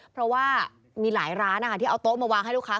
เพราะว่ามีหลายร้านที่เอาโต๊ะมาวางให้ลูกค้า